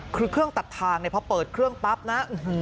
คือเครื่องตัดทางพอเปิดเครื่องปั๊บนะ